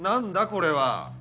これは！